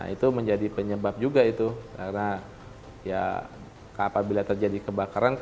itu menjadi penyebab juga karena apabila terjadi kebakaran